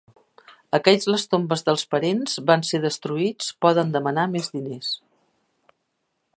Aquells les tombes dels parents van ser destruïts poden demanar més diners.